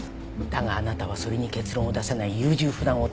だがあなたはそれに結論を出さない優柔不断男。